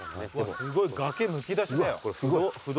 すごい崖むき出しだよ。